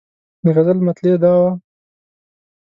د غزل مطلع دا وه.